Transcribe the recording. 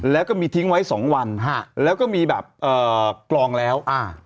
แล้วก็มีทิ้งไว้๒วันแล้วก็มีแบบกลองแล้ว